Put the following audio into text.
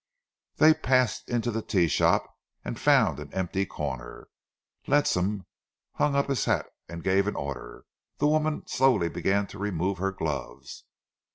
They passed into the tea shop and found an empty corner. Ledsam hung up his hat and gave an order. The woman slowly began to remove her gloves.